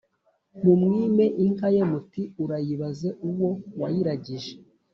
mumwime inka ye muti: ‘Urayibaze uwo wayiragije.”